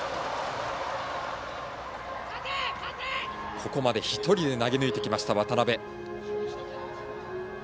ここまで１人で投げ抜いてきた渡邊。